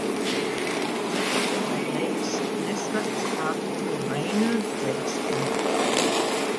Surrounded by lakes, Nisswa is part of the Brainerd Lakes Area.